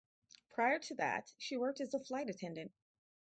Prior to that, she worked as a flight attendant.